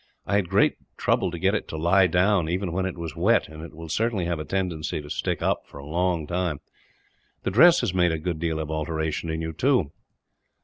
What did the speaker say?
I had great trouble to get it to lie down, even when it was wet; and it will certainly have a tendency to stick up, for a long time. "The dress has made a good deal of alteration in you, too."